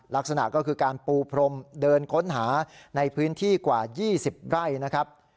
ลักษณะก็คือการปูพรมเดินค้นหาในพื้นที่กว่า๒๐ไร่นะครับ